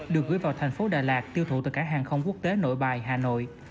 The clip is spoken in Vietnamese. được gửi vào thành phố đà lạt tiêu thụ từ cảng hàng không quốc tế nội bài hà nội